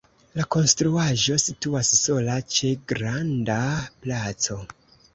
La konstruaĵo situas sola ĉe granda placo.